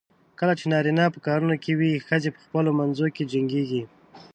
کله چې نارینه په کارونو کې وي، ښځې په خپلو منځو کې جنګېږي.